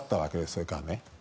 それから。